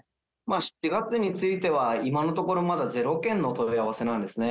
７月については今のところまだ０件の問い合わせなんですね。